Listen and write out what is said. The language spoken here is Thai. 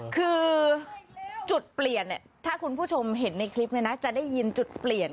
คือจุดเปลี่ยนถ้าคุณผู้ชมเห็นในคลิปจะได้ยินจุดเปลี่ยน